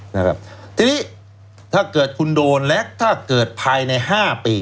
ทีนี้ถ้าเกิดคุณโดนและถ้าเกิดภายใน๕ปี